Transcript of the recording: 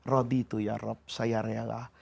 rodi itu ya rab saya rela